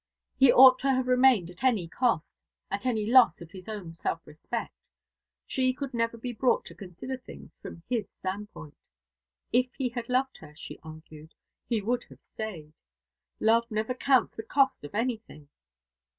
He ought to have remained at any cost, at any loss of his own self respect. She could never be brought to consider things from his standpoint. If he had loved her, she argued, he would have stayed. Love never counts the cost of anything.